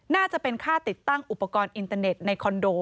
น่าจะเป็นค่าติดตั้งอุปกรณ์อินเตอร์เน็ตในคอนโด